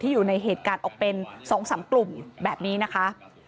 อยู่ในเหตุการณ์ออกเป็น๒๓กลุ่มแบบนี้นะคะ